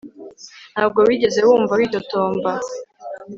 ntabwo wigeze wumva witotomba